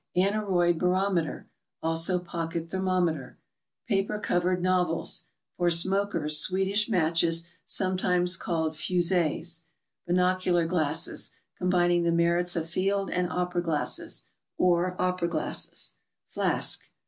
Aneroid barometer; also iiocket thermometer. Paper covered novels. For smokers— Swedish matches, sometimes called fusees. Binocular glasses (combining the merits of field and opera glasses); or opera glasses. Flask.